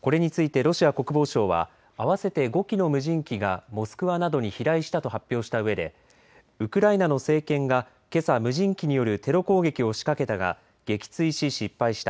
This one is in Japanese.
これについてロシア国防省は合わせて５機の無人機がモスクワなどに飛来したと発表したうえで、ウクライナの政権がけさ無人機によるテロ攻撃を仕掛けたが撃墜し失敗した。